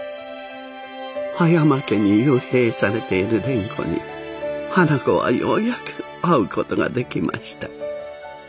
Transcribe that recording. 葉山家に幽閉されている蓮子に花子はようやく会う事ができました。